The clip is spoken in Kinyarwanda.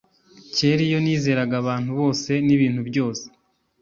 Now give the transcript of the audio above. kera iyo nizeraga abantu bose nibintu byose